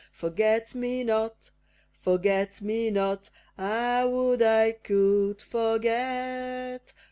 Forget me not! Forget me not! Ah! would I could forget!